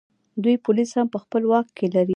دوی پولیس هم په خپل واک کې لري